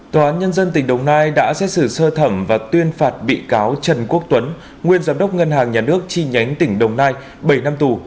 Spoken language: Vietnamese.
tòa án nhân dân tỉnh đồng nai đã xét xử sơ thẩm và tuyên phạt bị cáo trần quốc tuấn nguyên giám đốc ngân hàng nhà nước chi nhánh tỉnh đồng nai bảy năm tù